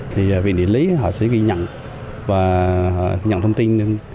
thì vị địa lý họ sẽ ghi nhận và nhận thông tin